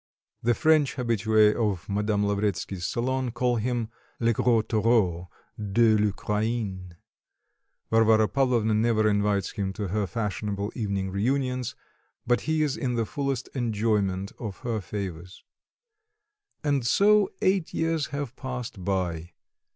The French habitués of Madame Lavretsky's salon call him "le gros taureau de l'Ukraine;" Varvara Pavlovna never invites him to her fashionable evening reunions, but he is in the fullest enjoyment of her favours. And so eight years have passed by.